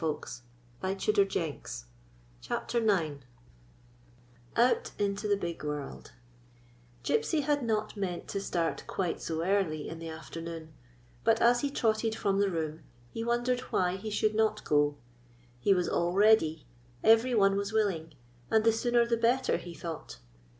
107 CHAPTER IX OUT INTO THE BIG WOULD G YPSY had not meant to start quite so early in the afternoon; but as he trotted from the room he wondered why he should not go. He was all ready; every one was willing, and the sooner the better, he thought.